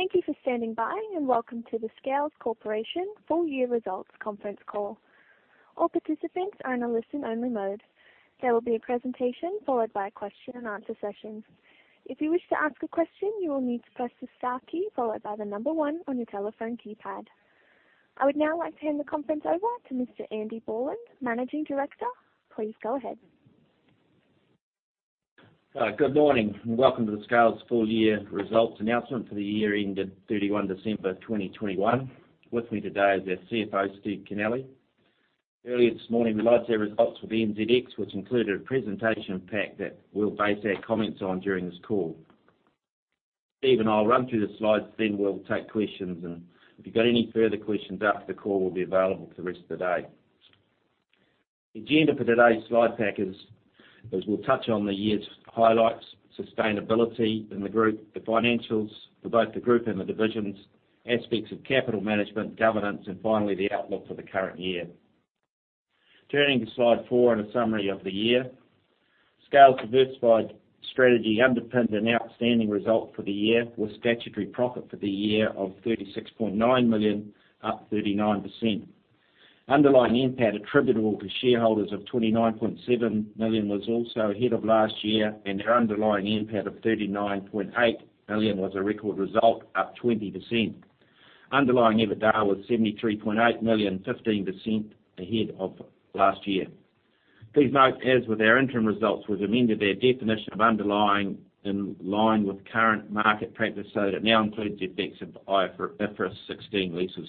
Thank you for standing by, and welcome to the Scales Corporation Full-Year Results Conference Call. All participants are in a listen-only mode. There will be a presentation followed by a question-and-answer session. If you wish to ask a question, you will need to press the star key followed by the number one on your telephone keypad. I would now like to hand the conference over to Mr. Andy Borland, Managing Director. Please go ahead. Good morning, and welcome to the Scales full-year results announcement for the year ending 31 December 2021. With me today is our CFO, Steve Kennelly. Earlier this morning, we launched our results with the NZX, which included a presentation pack that we'll base our comments on during this call. Steve and I'll run through the slides, then we'll take questions, and if you've got any further questions after the call, we'll be available for the rest of the day. The agenda for today's slide pack is we'll touch on the year's highlights, sustainability in the group, the financials for both the group and the divisions, aspects of capital management, governance, and finally, the outlook for the current year. Turning to slide four and a summary of the year. Scales' diversified strategy underpinned an outstanding result for the year, with statutory profit for the year of 36.9 million, up 39%. Underlying NPAT attributable to shareholders of 29.7 million was also ahead of last year, and our underlying NPAT of 39.8 million was a record result, up 20%. Underlying EBITDA was 73.8 million, 15% ahead of last year. Please note, as with our interim results, we've amended our definition of underlying, in line with current market practice, so that now includes the effects of IFRS 16 leases.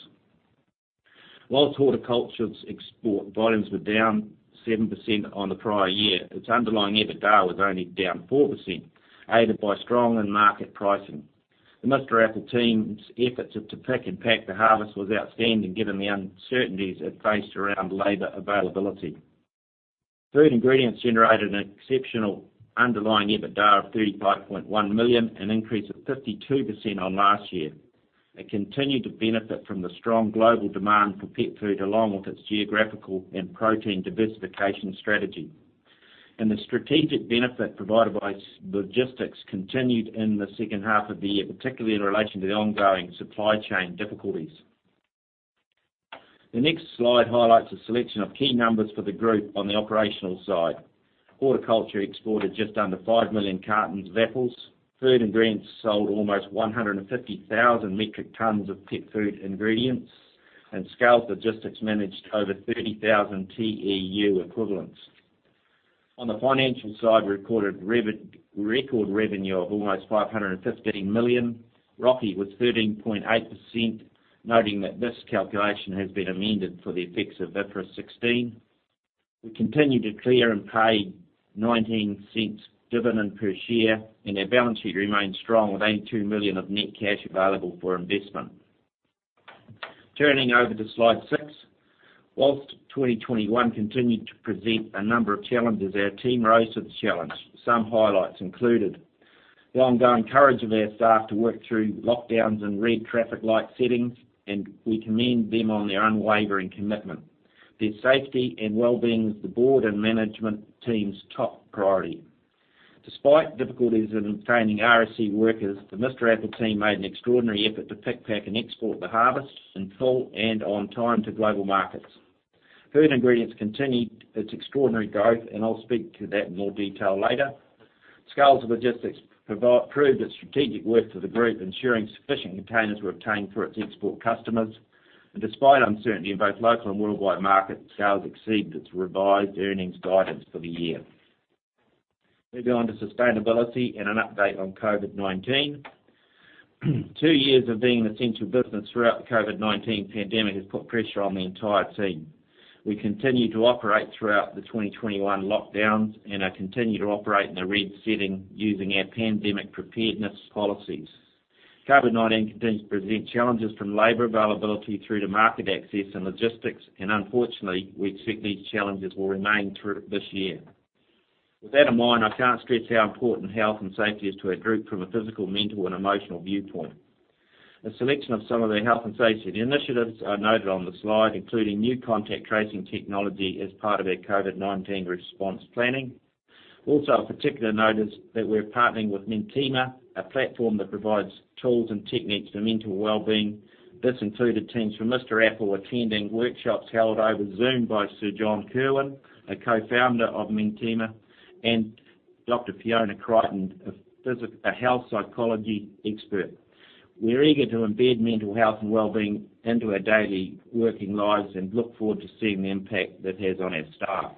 Whilst Horticulture's export volumes were down 7% on the prior year, its underlying EBITDA was only down 4%, aided by strong end market pricing. The Mr Apple team's efforts to pick and pack the harvest was outstanding, given the uncertainties it faced around labor availability. Food Ingredients generated an exceptional underlying EBITDA of 35.1 million, an increase of 52% on last year. It continued to benefit from the strong global demand for pet food, along with its geographical and protein diversification strategy. The strategic benefit provided by Logistics continued in the second half of the year, particularly in relation to the ongoing supply chain difficulties. The next slide highlights a selection of key numbers for the group on the operational side. Horticulture exported just under 5 million cartons of apples. Food Ingredients sold almost 150,000 metric tons of pet food ingredients. Scales Logistics managed over 30,000 TEU equivalents. On the financial side, we recorded record revenue of almost 515 million. ROCE was 13.8%, noting that this calculation has been amended for the effects of IFRS 16. We continued to declare and paid 0.19 dividend per share, and our balance sheet remains strong, with 82 million of net cash available for investment. Turning to slide 6. While 2021 continued to present a number of challenges, our team rose to the challenge. Some highlights included the ongoing courage of our staff to work through lockdowns and red traffic light settings, and we commend them on their unwavering commitment. Their safety and wellbeing is the board and management team's top priority. Despite difficulties in obtaining RSE workers, the Mr Apple team made an extraordinary effort to pick, pack, and export the harvest in full and on time to global markets. Food Ingredients continued its extraordinary growth, and I'll speak to that in more detail later. Scales Logistics proved its strategic worth to the group, ensuring sufficient containers were obtained for its export customers. Despite uncertainty in both local and worldwide markets, Scales exceeded its revised earnings guidance for the year. Moving on to sustainability and an update on COVID-19. Two years of being an essential business throughout the COVID-19 pandemic has put pressure on the entire team. We continued to operate throughout the 2021 lockdowns and continued to operate in a red setting using our pandemic preparedness policies. COVID-19 continues to present challenges from labor availability through to market access and logistics, and unfortunately, we expect these challenges will remain through this year. With that in mind, I can't stress how important health and safety is to our group from a physical, mental, and emotional viewpoint. A selection of some of the health and safety initiatives are noted on the slide, including new contact tracing technology as part of our COVID-19 response planning. Of particular note is that we're partnering with Mentemia, a platform that provides tools and techniques for mental wellbeing. This included teams from Mr Apple attending workshops held over Zoom by Sir John Kirwan, a co-founder of Mentemia, and Dr. Fiona Crichton, a health psychology expert. We're eager to embed mental health and wellbeing into our daily working lives and look forward to seeing the impact that has on our staff.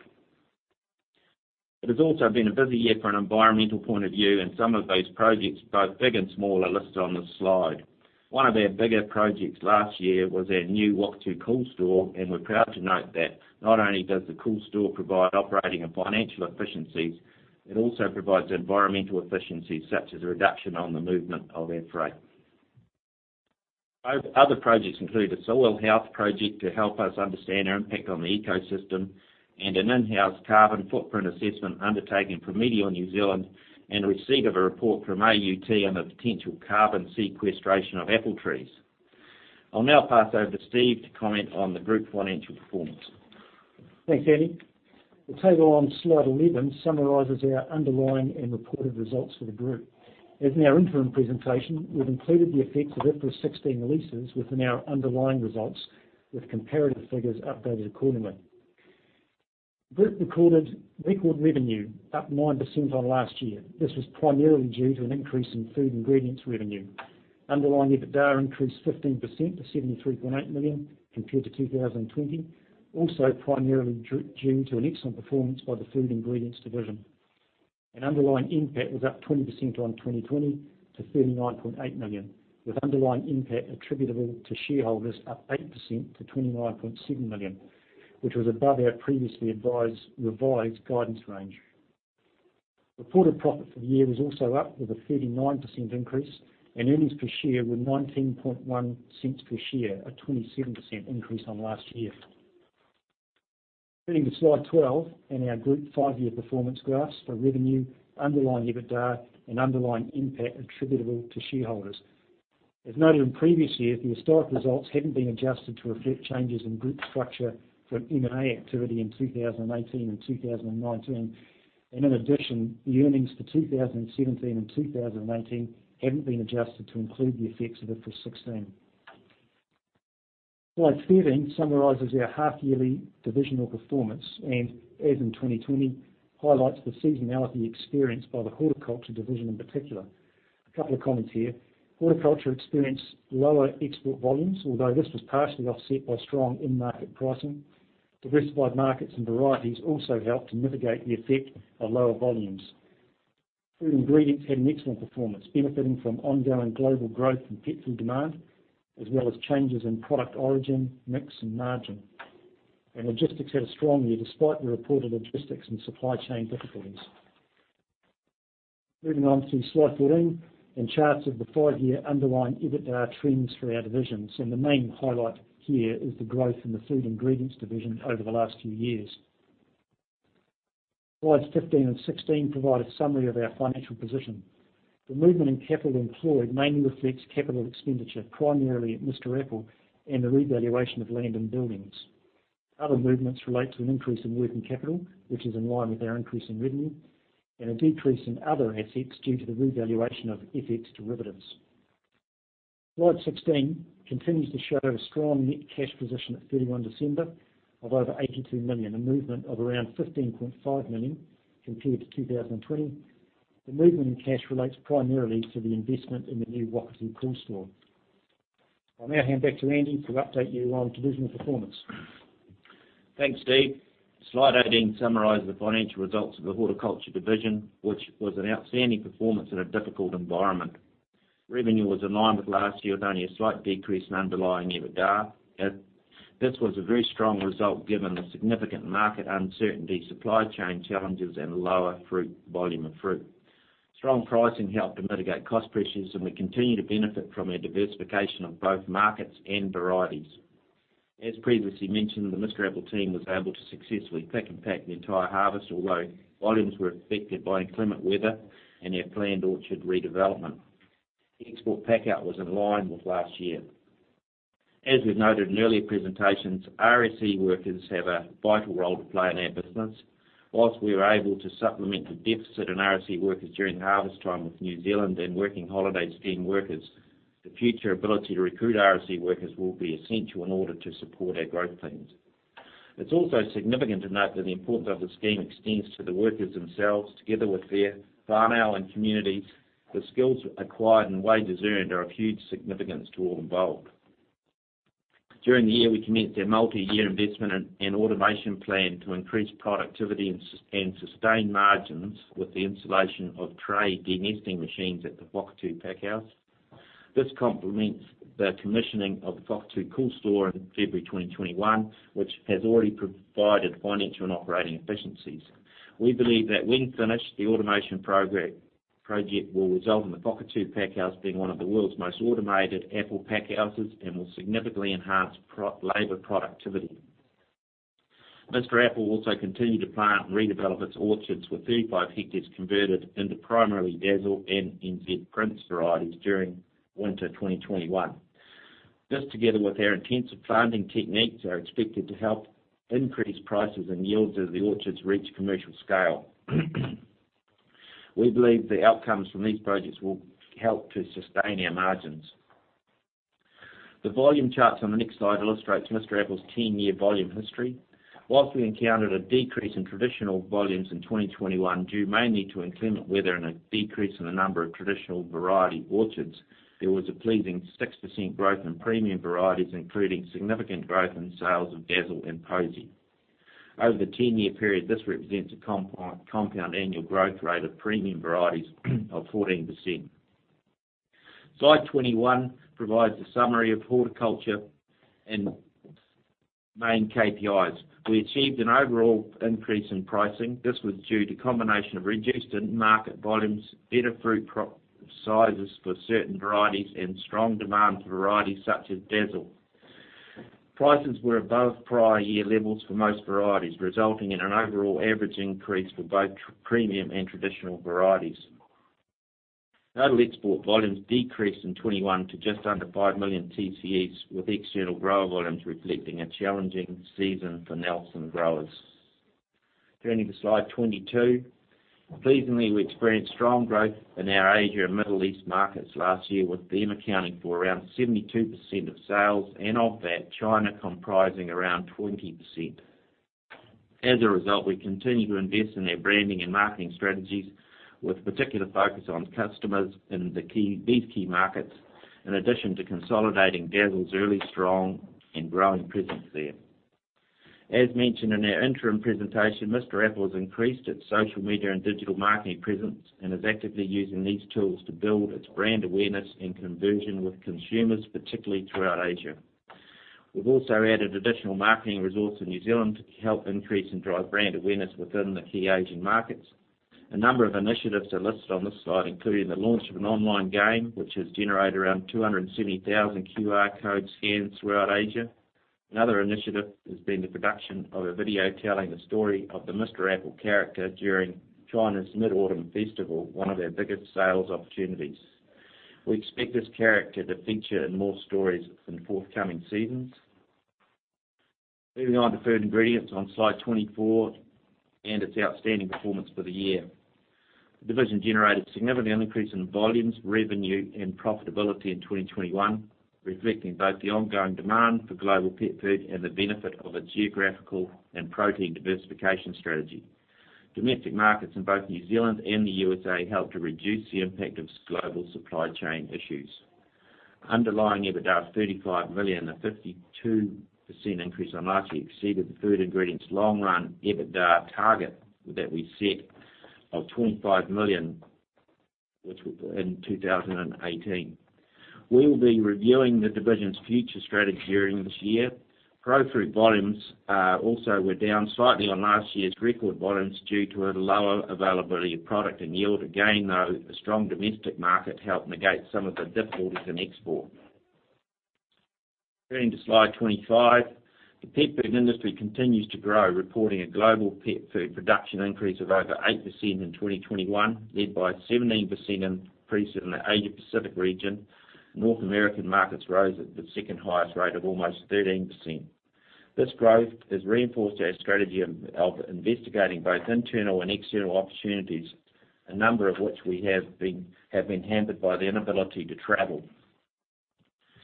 It has also been a busy year from an environmental point of view, and some of those projects, both big and small, are listed on this slide. One of our bigger projects last year was our new Whakatu Coolstore, and we're proud to note that not only does the Coolstore provide operating and financial efficiencies, it also provides environmental efficiencies, such as a reduction on the movement of our freight. Other projects include a soil health project to help us understand our impact on the ecosystem and an in-house carbon footprint assessment undertaken from MBIE New Zealand, and receipt of a report from AUT on the potential carbon sequestration of apple trees. I'll now pass over to Steve to comment on the group financial performance. Thanks, Andy. The table on slide 11 summarizes our underlying and reported results for the Group. As in our interim presentation, we've included the effects of IFRS 16 leases within our underlying results, with comparative figures updated accordingly. Group recorded record revenue up 9% on last year. This was primarily due to an increase in Food Ingredients revenue. Underlying EBITDA increased 15% to 73.8 million compared to 2020, also primarily due to an excellent performance by the Food Ingredients division. Underlying NPAT was up 20% on 2020 to 39.8 million, with underlying NPAT attributable to shareholders up 8% to 29.7 million, which was above our previously advised revised guidance range. Reported profit for the year was also up with a 39% increase, and earnings per share were 0.191 per share, a 27% increase on last year. Turning to slide 12 and our group 5-year performance graphs for revenue, underlying EBITDA, and underlying NPAT attributable to shareholders. As noted in previous years, the historic results haven't been adjusted to reflect changes in group structure from M&A activity in 2018 and 2019. In addition, the earnings for 2017 and 2018 haven't been adjusted to include the effects of IFRS 16. Slide 13 summarizes our half-yearly divisional performance, and as in 2020, highlights the seasonality experienced by the horticulture division in particular. A couple of comments here. Horticulture experienced lower export volumes, although this was partially offset by strong end market pricing. Diversified markets and varieties also helped to mitigate the effect of lower volumes. Food Ingredients had an excellent performance, benefiting from ongoing global growth in pet food demand, as well as changes in product origin, mix, and margin. Logistics had a strong year despite the reported logistics and supply chain difficulties. Moving on to slide 14 and charts of the five-year underlying EBITDA trends for our divisions, and the main highlight here is the growth in the Food Ingredients division over the last few years. Slides 15 and 16 provide a summary of our financial position. The movement in capital employed mainly reflects capital expenditure, primarily at Mr Apple and the revaluation of land and buildings. Other movements relate to an increase in working capital, which is in line with our increase in revenue, and a decrease in other assets due to the revaluation of FX derivatives. Slide 16 continues to show a strong net cash position at 31 December of over 82 million, a movement of around 15.5 million compared to 2020. The movement in cash relates primarily to the investment in the new Whakatu Coolstore. I'll now hand back to Andy to update you on divisional performance. Thanks, Steve. Slide 18 summarizes the financial results of the horticulture division, which was an outstanding performance in a difficult environment. Revenue was in line with last year, with only a slight decrease in underlying EBITDA. This was a very strong result given the significant market uncertainty, supply chain challenges, and lower fruit volume. Strong pricing helped to mitigate cost pressures, and we continue to benefit from our diversification of both markets and varieties. As previously mentioned, the Mr Apple team was able to successfully pick and pack the entire harvest, although volumes were affected by inclement weather and our planned orchard redevelopment. Export packout was in line with last year. As we've noted in earlier presentations, RSE workers have a vital role to play in our business. While we were able to supplement the deficit in RSE workers during harvest time with New Zealand and working holiday scheme workers, the future ability to recruit RSE workers will be essential in order to support our growth plans. It's also significant to note that the importance of the scheme extends to the workers themselves. Together with their whānau and communities, the skills acquired and wages earned are of huge significance to all involved. During the year, we commenced our multi-year investment and automation plan to increase productivity and sustain margins with the installation of tray denesting machines at the Whakatu packhouse. This complements the commissioning of the Whakatu Coolstore in February 2021, which has already provided financial and operating efficiencies. We believe that when finished, the automation project will result in the Whakatu packhouse being one of the world's most automated apple packhouses and will significantly enhance labor productivity. Mr. Apple also continued to plant and redevelop its orchards, with 35 hectares converted into primarily Dazzle and NZ Prince varieties during winter 2021. This, together with our intensive planting techniques, are expected to help increase prices and yields as the orchards reach commercial scale. We believe the outcomes from these projects will help to sustain our margins. The volume charts on the next slide illustrates Mr Apple's 10-year volume history. While we encountered a decrease in traditional volumes in 2021, due mainly to inclement weather and a decrease in the number of traditional variety orchards, there was a pleasing 6% growth in premium varieties, including significant growth in sales of Dazzle and Posy. Over the 10-year period, this represents a compound annual growth rate of premium varieties of 14%. Slide 21 provides a summary of horticulture and main KPIs. We achieved an overall increase in pricing. This was due to a combination of reduced end market volumes, better fruit crop sizes for certain varieties, and strong demand for varieties such as Dazzle. Prices were above prior year levels for most varieties, resulting in an overall average increase for both premium and traditional varieties. Total export volumes decreased in 2021 to just under 5 million TCEs, with external grower volumes reflecting a challenging season for Nelson growers. Turning to Slide 22. Pleasingly, we experienced strong growth in our Asia and Middle East markets last year, with them accounting for around 72% of sales, and of that, China comprising around 20%. As a result, we continue to invest in their branding and marketing strategies, with particular focus on customers in these key markets, in addition to consolidating our early, strong, and growing presence there. As mentioned in our interim presentation, Mr Apple has increased its social media and digital marketing presence, and is actively using these tools to build its brand awareness and conversion with consumers, particularly throughout Asia. We've also added additional marketing resource in New Zealand to help increase and drive brand awareness within the key Asian markets. A number of initiatives are listed on this slide, including the launch of an online game, which has generated around 270,000 QR code scans throughout Asia. Another initiative has been the production of a video telling the story of the Mr Apple character during China's Mid-Autumn Festival, one of their biggest sales opportunities. We expect this character to feature in more stories in forthcoming seasons. Moving on to Food Ingredients on Slide 24, and its outstanding performance for the year. The division generated significant increase in volumes, revenue, and profitability in 2021, reflecting both the ongoing demand for global pet food and the benefit of a geographical and protein diversification strategy. Domestic markets in both New Zealand and the USA helped to reduce the impact of global supply chain issues. Underlying EBITDA of 35 million, a 52% increase on last year, exceeded the Food Ingredients' long run EBITDA target that we set of 25 million, which in 2018. We will be reviewing the division's future strategy during this year. Profruit volumes also were down slightly on last year's record volumes due to a lower availability of product and yield. Again, though, a strong domestic market helped negate some of the difficulties in export. Turning to Slide 25. The pet food industry continues to grow, reporting a global pet food production increase of over 8% in 2021, led by 17% increase in the Asia Pacific region. North American markets rose at the second-highest rate of almost 13%. This growth has reinforced our strategy of investigating both internal and external opportunities, a number of which we have been hampered by the inability to travel.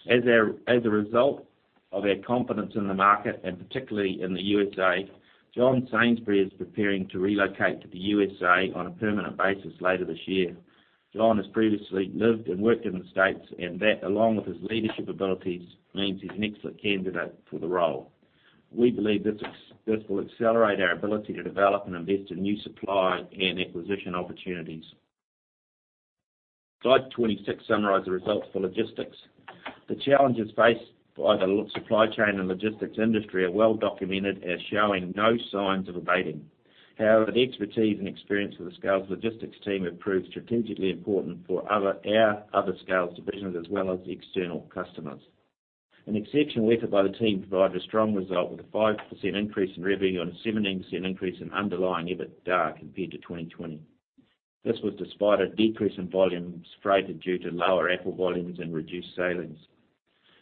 As a result of our confidence in the market, and particularly in the USA, John Sainsbury is preparing to relocate to the USA on a permanent basis later this year. John has previously lived and worked in the States, and that, along with his leadership abilities, means he's an excellent candidate for the role. We believe this will accelerate our ability to develop and invest in new supply and acquisition opportunities. Slide 26 summarizes the results for logistics. The challenges faced by the supply chain and logistics industry are well documented as showing no signs of abating. However, the expertise and experience of the Scales Logistics team have proved strategically important for our other Scales divisions, as well as external customers. An exceptional effort by the team provided a strong result with a 5% increase in revenue and a 17% increase in underlying EBITDA compared to 2020. This was despite a decrease in volumes freighted due to lower apple volumes and reduced sailings.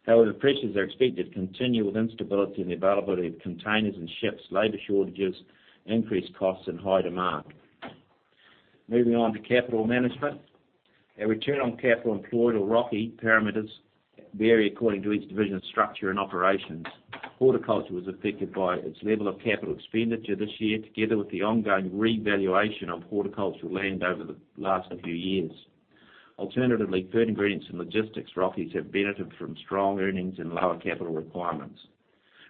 However, pressures are expected to continue with instability in the availability of containers and ships, labor shortages, increased costs, and high demand. Moving on to capital management. Our return on capital employed, or ROCE, parameters vary according to each division's structure and operations. Horticulture was affected by its level of capital expenditure this year, together with the ongoing revaluation of horticultural land over the last few years. Alternatively, Food Ingredients and Logistics ROCEs have benefited from strong earnings and lower capital requirements.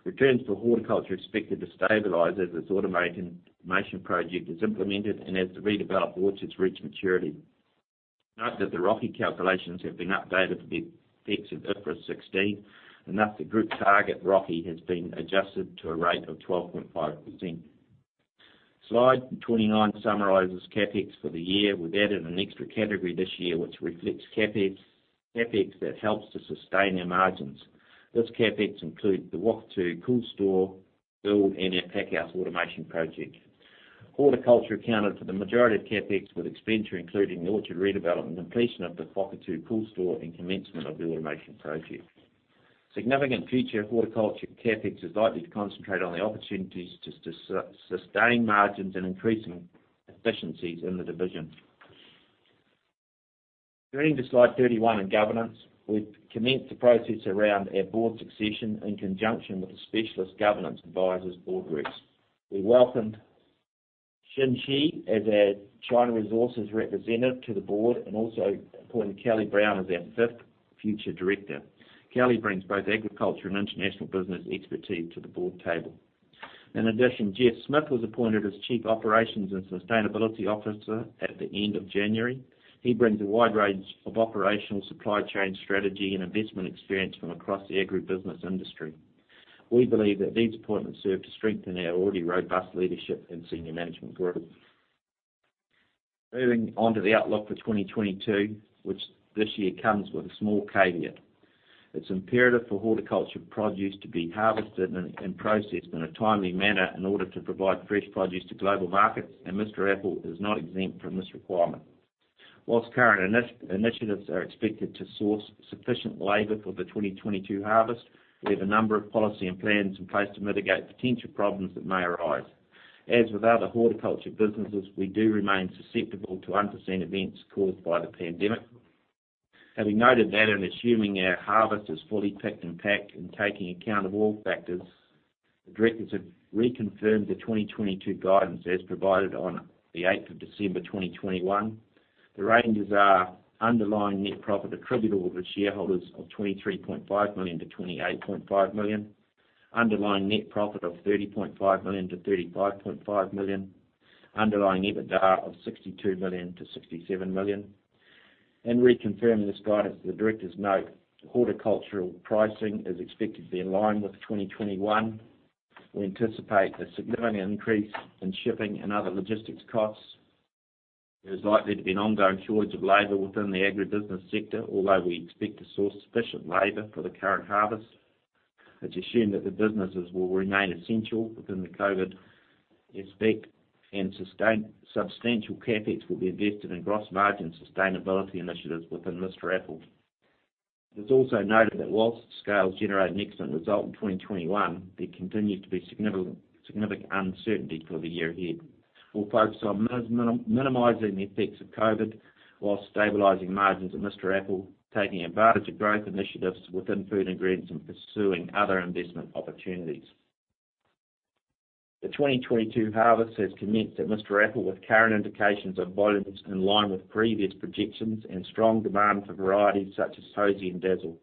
Returns for horticulture are expected to stabilize as its automated motion project is implemented and as the redeveloped orchards reach maturity. Note that the ROCE calculations have been updated with the effects of IFRS 16, and thus the group target ROCE has been adjusted to a rate of 12.5%. Slide 29 summarizes CapEx for the year. We've added an extra category this year which reflects CapEx that helps to sustain our margins. This CapEx includes the Whakatu Coolstore build and our pack house automation project. Horticulture accounted for the majority of CapEx, with expenditure including orchard redevelopment and completion of the Whakatu Coolstore and commencement of the automation project. Significant future horticulture CapEx is likely to concentrate on the opportunities to sustaining margins and increasing efficiencies in the division. Turning to Slide 31 on governance. We've commenced the process around our board succession in conjunction with the specialist governance advisors, We welcomed Xin Xi as our China Resources representative to the board, and also appointed Kelly Brown as our fifth future director. Kelly brings both agriculture and international business expertise to the board table. In addition, Geoff Smith was appointed as Chief Operations and Sustainability Officer at the end of January. He brings a wide range of operational supply chain strategy and investment experience from across the agribusiness industry. We believe that these appointments serve to strengthen our already robust leadership and senior management group. Moving on to the outlook for 2022, which this year comes with a small caveat. It's imperative for horticulture produce to be harvested and processed in a timely manner in order to provide fresh produce to global markets, and Mr Apple is not exempt from this requirement. While current initiatives are expected to source sufficient labor for the 2022 harvest, we have a number of policies and plans in place to mitigate potential problems that may arise. As with other horticulture businesses, we do remain susceptible to unforeseen events caused by the pandemic. Having noted that, and assuming our harvest is fully picked and packed, and taking account of all factors, the directors have reconfirmed the 2022 guidance as provided on 8th December 2021. The ranges are underlying net profit attributable to the shareholders of 23.5 million-28.5 million. Underlying net profit of 30.5 million-35.5 million. Underlying EBITDA of 62 million-67 million. In reconfirming this guidance, the directors note horticultural pricing is expected to be in line with 2021. We anticipate a significant increase in shipping and other logistics costs. There's likely to be an ongoing shortage of labor within the agribusiness sector, although we expect to source sufficient labor for the current harvest. It's assumed that the businesses will remain essential within the COVID aspect, and substantial CapEx will be invested in gross margin sustainability initiatives within Mr Apple. It's also noted that while Scales generate an excellent result in 2021, there continues to be significant uncertainty for the year ahead. We'll focus on minimizing the effects of COVID while stabilizing margins at Mr Apple, taking advantage of growth initiatives within Food Ingredients, and pursuing other investment opportunities. The 2022 harvest has commenced at Mr Apple, with current indications of volumes in line with previous projections and strong demand for varieties such as Posy and Dazzle.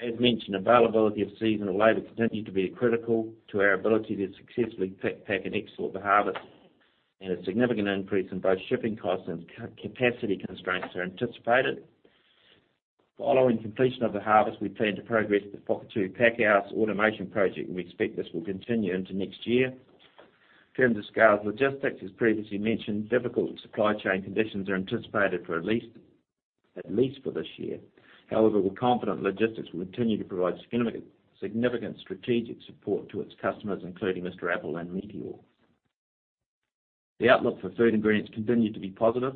As mentioned, availability of seasonal labor continue to be critical to our ability to successfully pick, pack, and export the harvest. A significant increase in both shipping costs and capacity constraints are anticipated. Following completion of the harvest, we plan to progress the Puketapu packhouse automation project, and we expect this will continue into next year. In terms of Scales Logistics, as previously mentioned, difficult supply chain conditions are anticipated for at least for this year. However, we're confident logistics will continue to provide significant strategic support to its customers, including Mr Apple and Meateor. The outlook for Food Ingredients continue to be positive.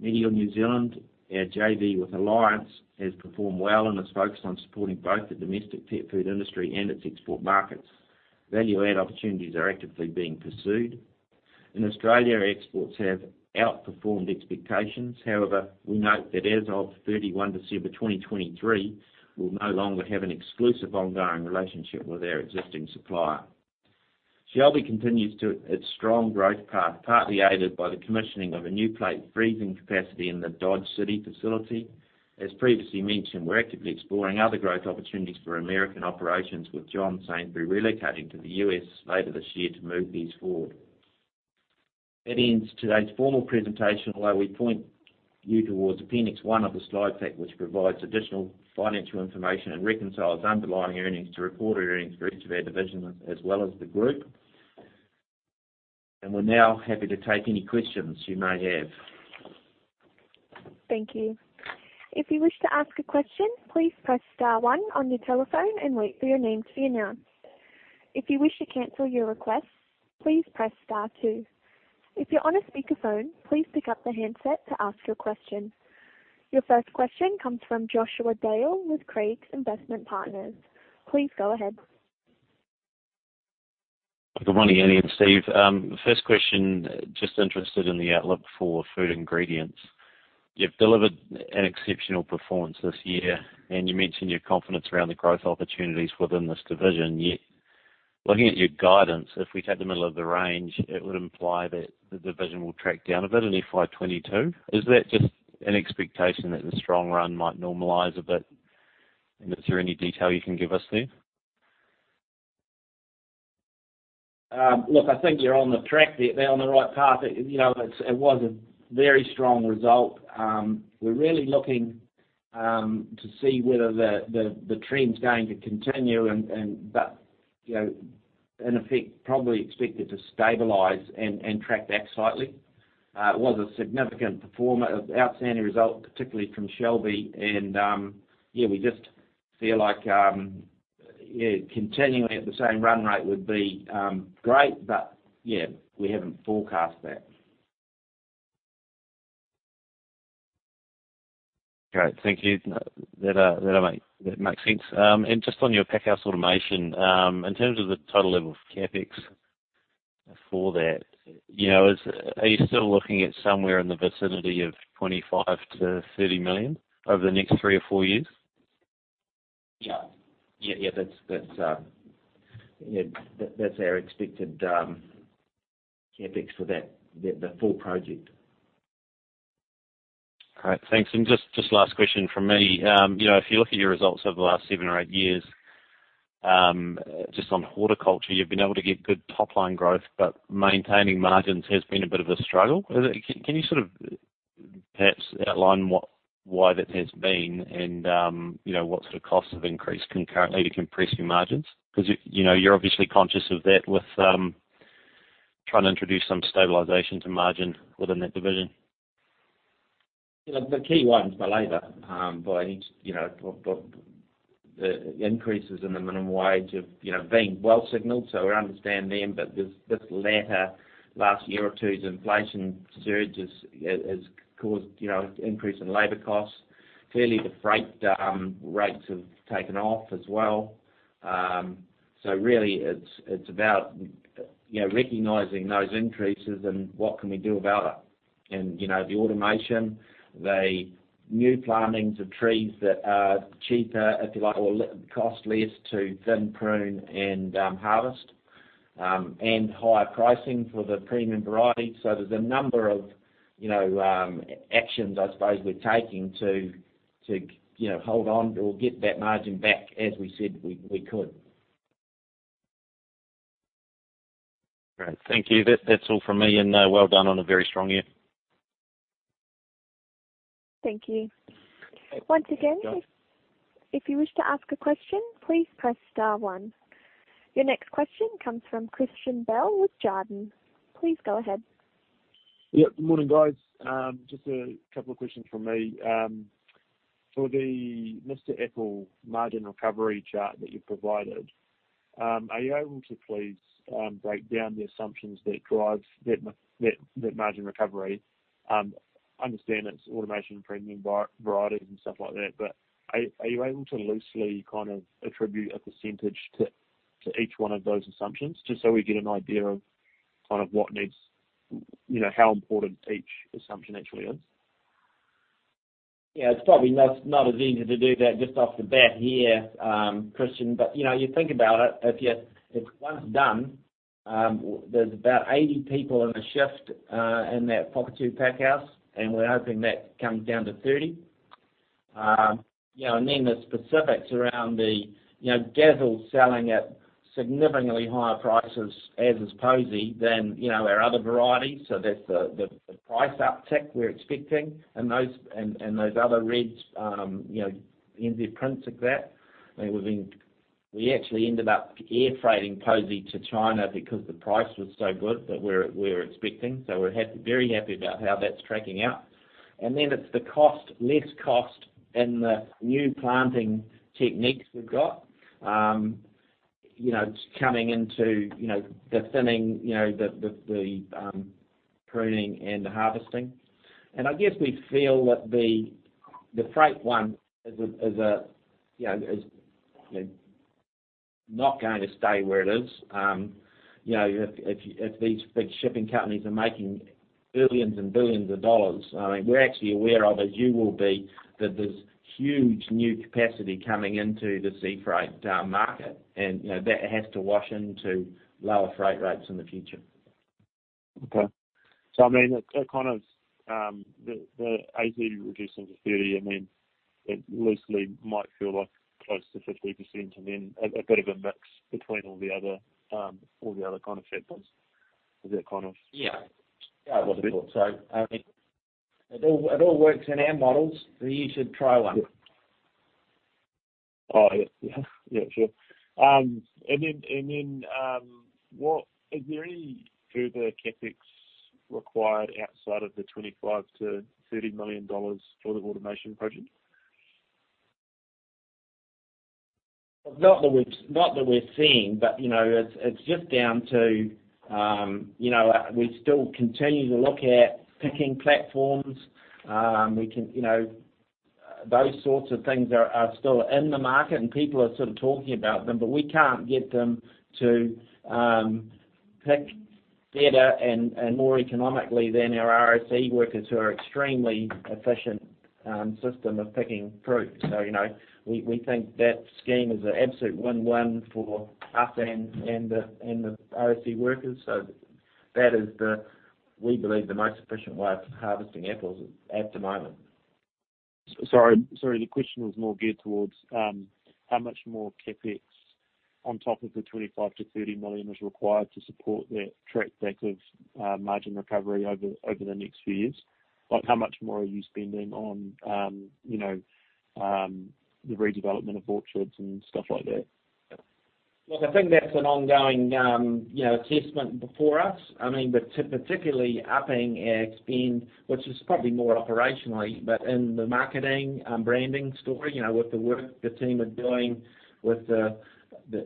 Meateor New Zealand, our JV with Alliance, has performed well and is focused on supporting both the domestic pet food industry and its export markets. Value add opportunities are actively being pursued. In Australia, exports have outperformed expectations. However, we note that as of 31 December 2023, we'll no longer have an exclusive ongoing relationship with our existing supplier. Shelby continues on its strong growth path, partly aided by the commissioning of a new plate freezing capacity in the Dodge City facility. As previously mentioned, we're actively exploring other growth opportunities for American operations, with John Sainsbury relocating to The U.S. later this year to move these forward. That ends today's formal presentation. Although, we point you towards Appendix one of the slide deck, which provides additional financial information and reconciles underlying earnings to reported earnings for each of our divisions as well as the group. We're now happy to take any questions you may have. Thank you, if you wish to ask a question, please press start one on your telephone and wait for your name to be announced, if you wish you cant pull your request, please press star two if you are on a speakerphone, please pick up the handset to ask your question. Your first question comes from Joshua Dale with Craigs Investment Partners. Please go ahead. Good morning, Andy and Steve. First question, just interested in the outlook for Food Ingredients. You've delivered an exceptional performance this year, and you mentioned your confidence around the growth opportunities within this division. Looking at your guidance, if we take the middle of the range, it would imply that the division will track down a bit in FY 2022. Is that just an expectation that the strong run might normalize a bit, and is there any detail you can give us there? Look, I think you're on the track there. On the right path. You know, it was a very strong result. We're really looking to see whether the trend's going to continue, but you know, in effect, probably expect it to stabilize and track back slightly. It was a significant performer, outstanding result, particularly from Shelby, and yeah, we just feel like yeah, continuing at the same run rate would be great, but yeah, we haven't forecast that. Great. Thank you. That makes sense. Just on your packhouse automation, in terms of the total level of CapEx for that, you know, are you still looking at somewhere in the vicinity of 25 million-30 million over the next three or four years? Yeah. That's our expected CapEx for the full project. All right. Thanks. Just last question from me. You know, if you look at your results over the last seven or eight years, just on horticulture, you've been able to get good top-line growth, but maintaining margins has been a bit of a struggle. Can you sort of perhaps outline why that has been and, you know, what sort of costs have increased concurrently to compress your margins? 'Cause you know, you're obviously conscious of that with trying to introduce some stabilization to margin within that division. The key one's the labor. Besides, you know, the increases in the minimum wage have, you know, been well signaled, so we understand them. This last year or two's inflation surge has caused, you know, increase in labor costs. Clearly, the freight rates have taken off as well. Really it's about, you know, recognizing those increases and what can we do about it. You know, the automation, the new plantings of trees that are cheaper, if you like, or cost less to thin, prune and harvest, and higher pricing for the premium variety. There's a number of, you know, actions I suppose we're taking to, you know, hold on or get that margin back as we said we could. Great. Thank you. That's all from me, and well done on a very strong year. Thank you. Once again, if you wish to ask a question, please press star one. Your next question comes from Christian Bell with Jarden. Please go ahead. Yeah. Good morning, guys. Just a couple of questions from me. For the Mr Apple margin recovery chart that you've provided, are you able to please break down the assumptions that drive that margin recovery? I understand it's automation and premium varieties and stuff like that, but are you able to loosely kind of attribute a percentage to each one of those assumptions, just so we get an idea of kind of what needs, you know, how important each assumption actually is? It's probably not as easy to do that just off the bat here, Christian, but you know, you think about it, if once done, there's about 80 people in a shift in that Puketapu packhouse, and we're hoping that comes down to 30. You know, then the specifics around the, you know, Dazzle's selling at significantly higher prices, as is Posy, than you know, our other varieties. That's the price uptick we're expecting. Those other reds, you know, Envy, NZ Prince, et cetera. I mean, we actually ended up air freighting Posy to China because the price was so good that we're expecting. We're very happy about how that's tracking out. It's the cost, less cost and the new planting techniques we've got, you know, coming into, you know, the thinning, you know, the pruning and the harvesting. I guess we feel that the freight one is a, you know, not going to stay where it is. You know, if these big shipping companies are making billions and billions of dollars, I mean, we're actually aware of, as you will be, that there's huge new capacity coming into the sea freight market. You know, that has to wash into lower freight rates in the future. I mean, it kind of the 80 reducing to 30, I mean, it loosely might feel like close to 50% and then a bit of a mix between all the other kind of factors. Is that kind of? Yeah. Yeah. -possible? I mean, it all works in our models. You should try one. Yep. Oh, yeah. Yeah, sure. Is there any further CapEx required outside of the 25 million-30 million dollars for the automation project? Not that we're seeing, but you know, it's just down to you know, we still continue to look at picking platforms. Those sorts of things are still in the market, and people are sort of talking about them, but we can't get them to pick better and more economically than our RSE workers who are extremely efficient system of picking fruit. We think that scheme is an absolute win-win for us and the RSE workers. That is, we believe, the most efficient way of harvesting apples at the moment. Sorry. The question was more geared towards how much more CapEx on top of the 25 million-30 million is required to support that track record of margin recovery over the next few years. Like, how much more are you spending on, you know, the redevelopment of orchards and stuff like that? Look, I think that's an ongoing, you know, assessment before us. I mean, particularly upping our spend, which is probably more operationally, but in the marketing and branding story, you know, with the work the team are doing with the,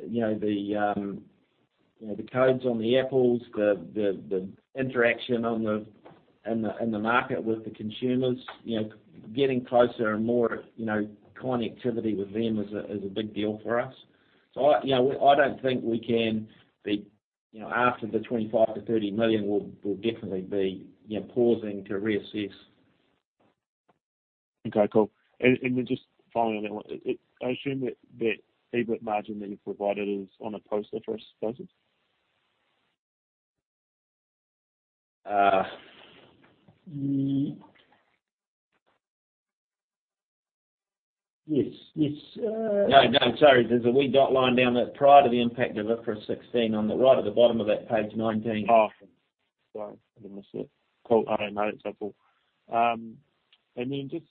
you know, the codes on the apples, the interaction in the market with the consumers, you know, getting closer and more, you know, connectivity with them is a big deal for us. I, you know, I don't think we can be. You know, after the 25 million-30 million, we'll definitely be, you know, pausing to reassess. Okay, cool. Just finally on that one, I assume that EBIT margin that you provided is on a post-IFRS basis? Yes. No, sorry. There's a wee dotted line down there prior to the impact of IFRS 16 on the right at the bottom of that page 19. I didn't miss it. Cool. I know, it's apple. Then just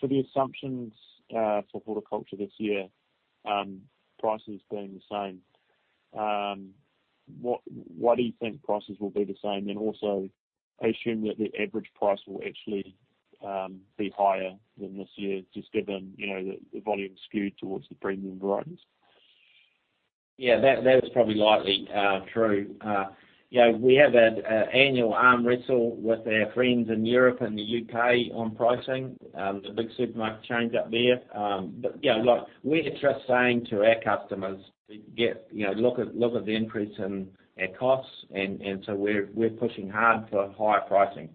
for the assumptions for horticulture this year, prices being the same, what, why do you think prices will be the same? Also, I assume that the average price will actually be higher than this year just given you know the volume skewed towards the premium varieties. Yeah. That is probably likely true. You know, we have an annual arm wrestle with our friends in Europe and The U.K. on pricing, the big supermarket chains up there. But yeah, look, we're just saying to our customers to get, you know, look at, look at the increase in our costs and so we're pushing hard for higher pricing.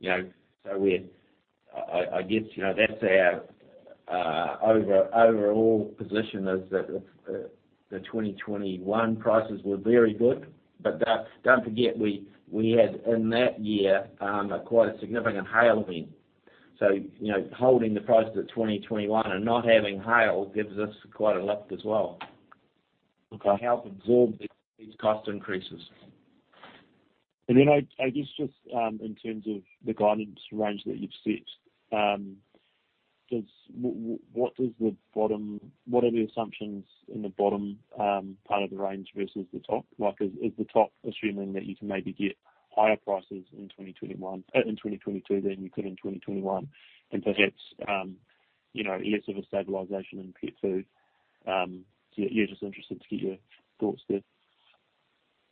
You know, so I guess, you know, that's our overall position is that the 2021 prices were very good. But don't forget we had in that year a quite significant hail event. So, you know, holding the prices at 2021 and not having hail gives us quite a lift as well. Okay. To help absorb these cost increases. I guess just in terms of the guidance range that you've set, what are the assumptions in the bottom part of the range versus the top? Like is the top assuming that you can maybe get higher prices in 2022 than you could in 2021 and perhaps you know less of a stabilization in pet food? Yeah, just interested to get your thoughts there.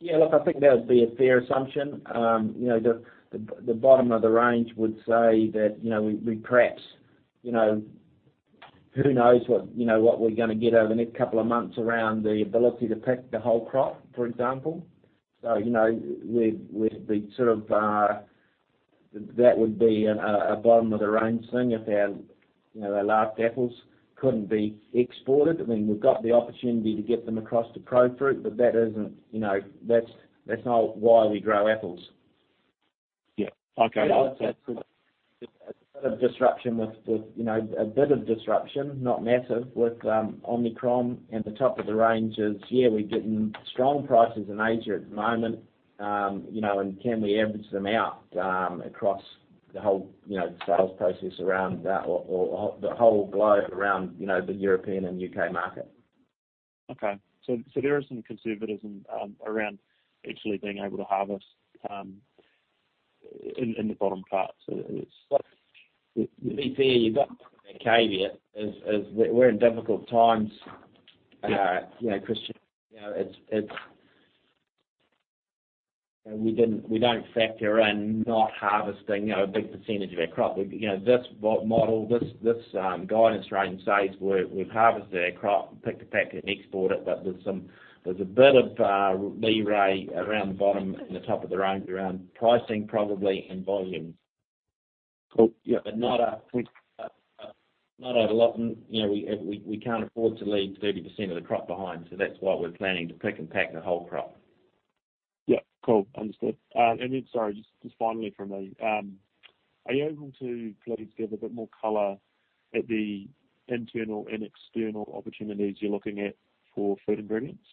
Yeah. Look, I think that would be a fair assumption. You know, the bottom of the range would say that, you know, we perhaps, you know, who knows what, you know, what we're gonna get over the next couple of months around the ability to pick the whole crop, for example. You know, we'd be sort of, that would be a bottom of the range thing if our, you know, our last apples couldn't be exported. I mean, we've got the opportunity to get them across to Profruit, but that isn't, you know, that's not why we grow apples. Yeah. Okay. You know, it's a bit of disruption with you know a bit of disruption, not massive, with Omicron. The top of the range is, yeah, we're getting strong prices in Asia at the moment. You know, can we average them out across the whole you know sales process around that or the whole globe around you know the European and UK market. There is some conservatism around actually being able to harvest in the bottom part. It's like To be fair, you've got to put that caveat is we're in difficult times. Yeah. You know, Christian, you know, we don't factor in not harvesting, you know, a big percentage of our crop. We, you know, this model, this guidance range says we've harvested our crop, pick to pack and export it, but there's a bit of leeway around the bottom and the top of the range around pricing probably and volumes. Cool. Yeah. Not over a lot. You know, we can't afford to leave 30% of the crop behind, so that's why we're planning to pick and pack the whole crop. Yeah. Cool. Understood. Sorry, just finally from me, are you able to please give a bit more color on the internal and external opportunities you're looking at for fruit and ingredients?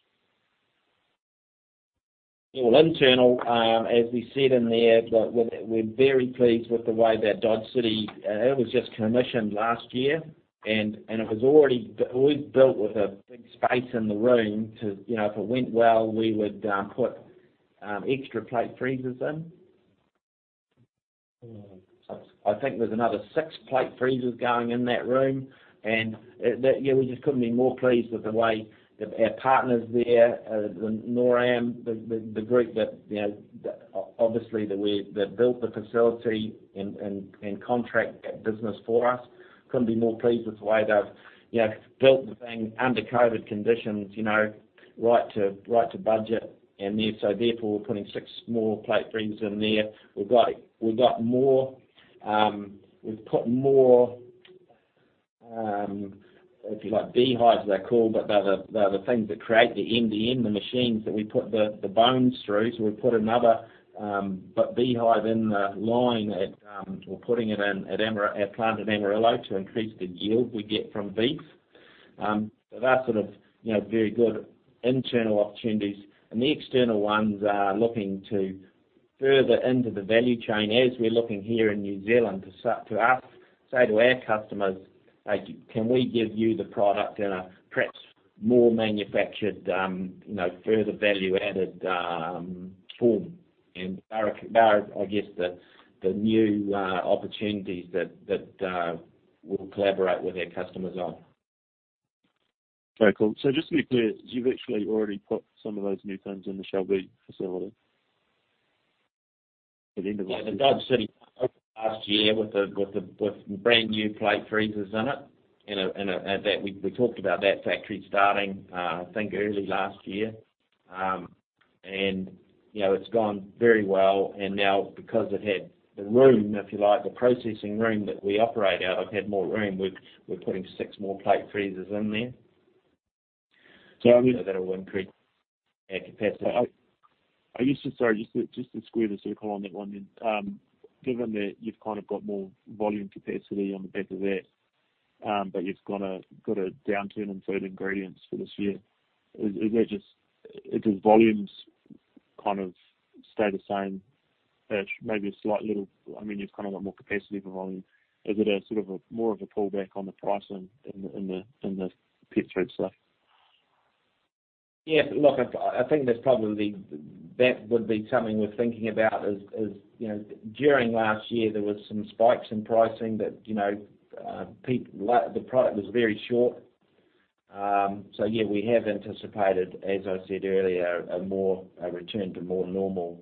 Internal, as we said in there, look, we're very pleased with the way that Dodge City, it was just commissioned last year and it was already built with a big space in the room to, you know, if it went well, we would put extra plate freezers in. Mm. I think there's another six plate freezers going in that room, and we just couldn't be more pleased with the way that our partners there, the NORAM, the group that, you know, obviously built the facility and contract that business for us. Couldn't be more pleased with the way they've, you know, built the thing under COVID conditions, you know, right to budget. We're putting six more plate freezers in there. We've put more, if you like, Beehives, they're called, but they're the things that create the MDM, the machines that we put the bones through. We've put another beehive in the line at our plant at Amarillo to increase the yield we get from beef. That's sort of, you know, very good internal opportunities. The external ones are looking further into the value chain as we're looking here in New Zealand to say to our customers, "Can we give you the product in a perhaps more manufactured, you know, further value added, form?" They're, I guess, the new opportunities that we'll collaborate with our customers on. Very cool. Just to be clear, you've actually already put some of those new things in the Shelby facility at the end of last year? Yeah. The Dodge City last year with the brand new plate freezers in it. In that we talked about that factory starting, I think, early last year. You know, it's gone very well. Now because it had the room, if you like, the processing room that we operate out of had more room, we're putting six more plate freezers in there. You know, that'll increase our capacity. Sorry, just to square the circle on that one then. Given that you've kind of got more volume capacity on the back of that, you've got a downturn in Food Ingredients for this year. Is that just if the volumes kind of stay the same. I mean, you've kinda got more capacity for volume. Is it sort of more of a pullback on the pricing in the pet food stuff? Yeah. Look, I think that's probably that would be something we're thinking about, is you know, during last year, there was some spikes in pricing that, you know, the product was very short. Yeah, we have anticipated, as I said earlier, a return to more normal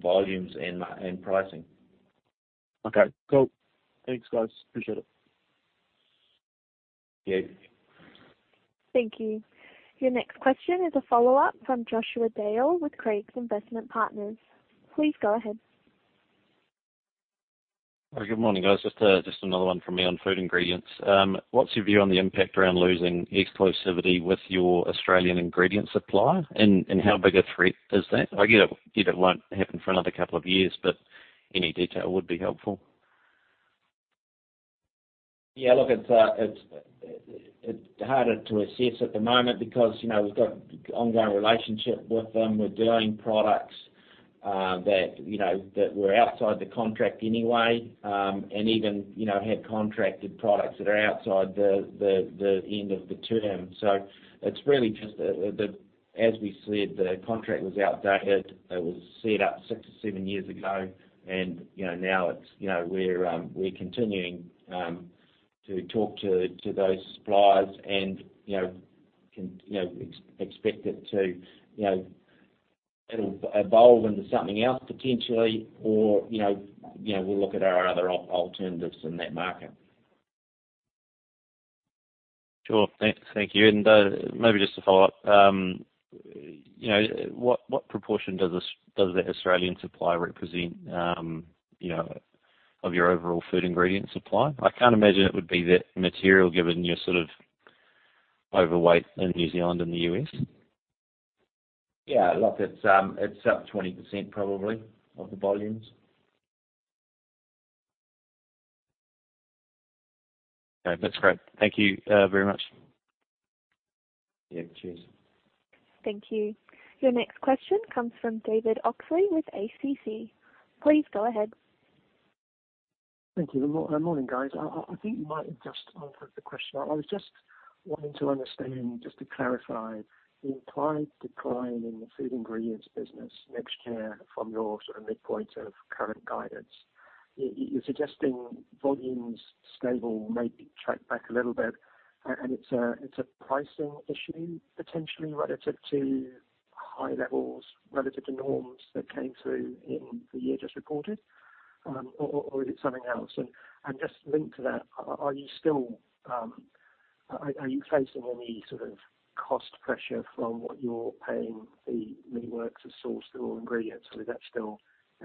volumes and pricing. Okay, cool. Thanks, guys. Appreciate it. Yeah. Thank you. Your next question is a follow-up from Joshua Dale with Craigs Investment Partners. Please go ahead. Good morning, guys. Just another one from me on food ingredients. What's your view on the impact around losing exclusivity with your Australian Ingredient Supply? And how big a threat is that? I get it won't happen for another couple of years, but any detail would be helpful. Yeah. Look, it's harder to assess at the moment because, you know, we've got ongoing relationship with them. We're doing products that, you know, that were outside the contract anyway, and even, you know, had contracted products that are outside the end of the term. It's really just the contract, as we said. The contract was outdated. It was set up six to seven years ago and, you know, now it's, you know, we're continuing to talk to those suppliers and, you know, expect it to, you know, it'll evolve into something else potentially or, you know, we'll look at our other alternatives in that market. Sure. Thank you. Maybe just a follow-up. You know, what proportion does the Australian supplier represent, you know, of your overall Food Ingredient Supply? I can't imagine it would be that material given your sort of overweight in New Zealand and The U.S. Yeah. Look, it's up 20% probably of the volumes. Okay. That's great. Thank you, very much. Yeah. Cheers. Thank you. Your next question comes from David Oxley with ACC. Please go ahead. Thank you. Morning, guys. I think you might have just answered the question. I was just wanting to understand, just to clarify the implied decline in the food ingredients business, Nutri-Care, from your sort of midpoint of current guidance. You're suggesting volumes stable may track back a little bit, and it's a pricing issue potentially relative to high levels, relative to norms that came through in the year just reported, or is it something else? Just linked to that, are you facing any sort of cost pressure from what you're paying the works or sources, the raw ingredients? Or is that still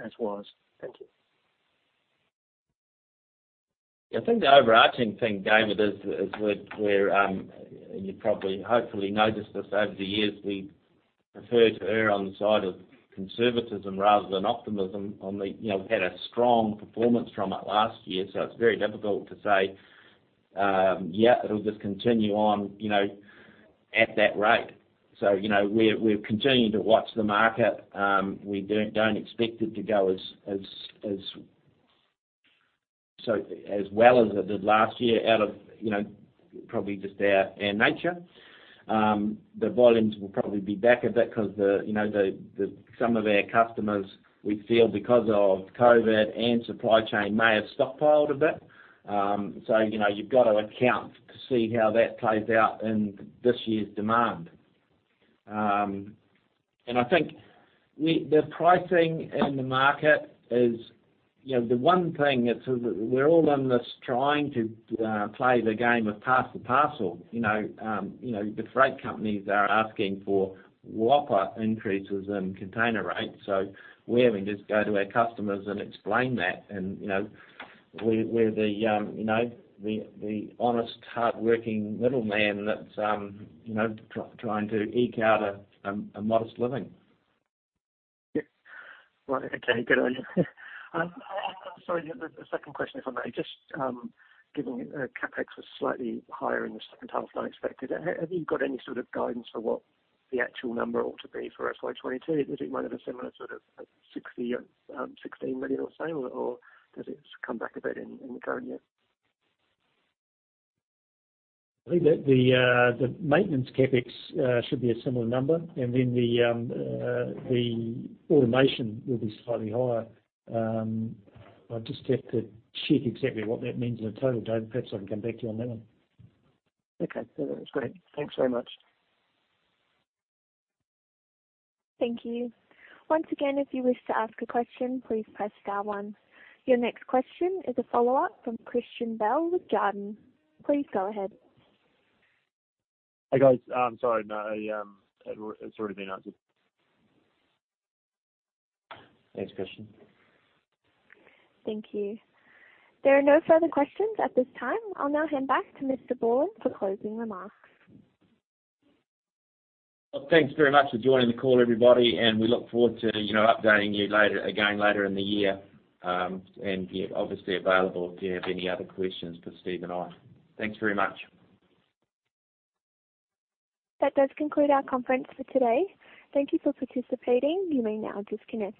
as it was? Thank you. I think the overarching thing, David, is. You probably hopefully noticed this over the years, we prefer to err on the side of conservatism rather than optimism. You know, we've had a strong performance from it last year, so it's very difficult to say yeah, it'll just continue on, you know, at that rate. You know, we're continuing to watch the market. We don't expect it to go as well as it did last year out of you know, probably just our nature. The volumes will probably be back a bit 'cause you know, some of our customers, we feel because of COVID and supply chain may have stockpiled a bit. You know, you've got to account to see how that plays out in this year's demand. I think the pricing in the market is, you know, the one thing it's we're all in this trying to play the game of pass the parcel, you know. You know, the freight companies are asking for whopper increases in container rates, so we're having to just go to our customers and explain that. You know, we're the honest, hardworking middleman that's trying to eke out a modest living. Yes. Right. Okay, good. Sorry, just a second question, if I may. Just, given CapEx was slightly higher in the second half than expected, have you got any sort of guidance for what the actual number ought to be for FY 2022? Is it one of a similar sort of 60 million-16 million or same, or does it come back a bit in the current year? I think the maintenance CapEx should be a similar number, and then the automation will be slightly higher. I'll just have to check exactly what that means in total, David. Perhaps I can come back to you on that one. Okay. No, that's great. Thanks very much. Thank you. Once again, if you wish to ask a question, please press star one. Your next question is a follow-up from Christian Bell with Jarden. Please go ahead. Hey, guys. I'm sorry. No, it's already been answered. Thanks, Christian. Thank you. There are no further questions at this time. I'll now hand back to Mr. Borland for closing remarks. Well, thanks very much for joining the call, everybody, and we look forward to, you know, updating you later, again later in the year. Yeah, obviously available if you have any other questions for Steve and I. Thanks very much. That does conclude our conference for today. Thank you for participating. You may now disconnect.